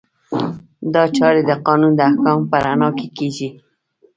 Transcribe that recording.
دا چارې د قانون د احکامو په رڼا کې کیږي.